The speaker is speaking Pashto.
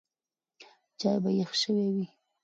چای به یخ شوی وي.